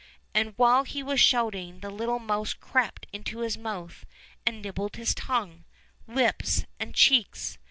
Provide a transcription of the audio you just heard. And while he was shouting the little mouse crept into his mouth, and nibbled his tongue, lips, and cheeks.